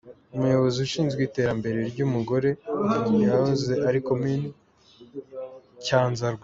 : Umuyobozi ushinzwe iterambere ry’umugore mu yahoze ari Komini Cyanzarwe.